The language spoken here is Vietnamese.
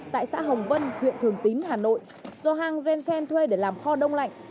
tại xã hồng vân huyện thường tín hà nội do hang jong sen thuê để làm kho đông lạnh